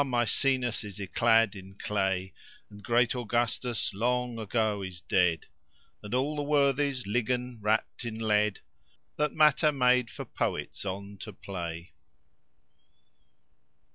Maecenas is yclad in claye, And great Augustus long ygoe is dead, And all the worthies liggen wrapt in lead, That matter made for poets on to playe.